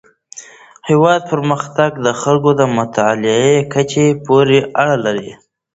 د هیواد پرمختګ د خلکو د مطالعې کچې پورې اړه لري.